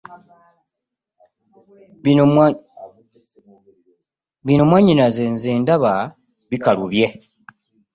Bino mwannyinaze nze ndaba bikalubye.